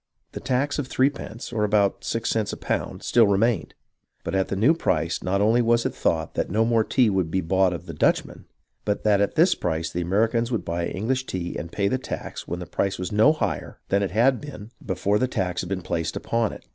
The tax of threepence, or about six cents on a pound, still remained, but at the new price not only was it thought that no more tea would be bought of the Dutch men, but that at this price the Americans would buy the English tea and pay the tax when the price was no higher than it had been before the tax had been placed upon it.